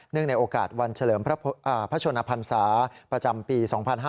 ในโอกาสวันเฉลิมพระชนพันศาประจำปี๒๕๕๙